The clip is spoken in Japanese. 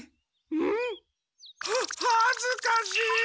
ん？ははずかしい！